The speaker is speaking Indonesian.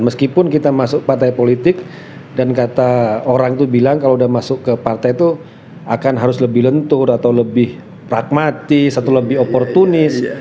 meskipun kita masuk partai politik dan kata orang itu bilang kalau sudah masuk ke partai itu akan harus lebih lentur atau lebih pragmatis atau lebih oportunis